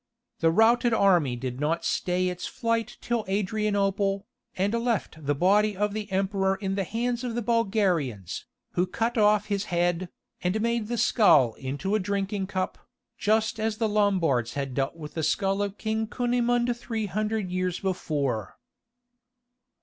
The routed army did not stay its flight till Adrianople, and left the body of the Emperor in the hands of the Bulgarians, who cut off his head, and made the skull into a drinking cup, just as the Lombards had dealt with the skull of King Cunimund three hundred years before.